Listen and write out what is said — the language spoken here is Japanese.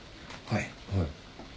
はい。